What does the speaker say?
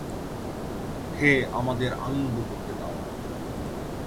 হে আমাদের আনন্দ করতে দাও!